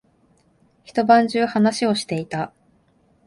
一晩中話をしていた。